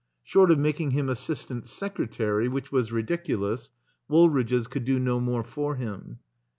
Short of making him assistant secretary (which was ridiculous) Wool ridge's could do no more for him.